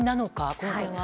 この辺は？